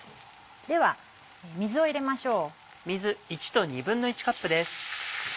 では水を入れましょう。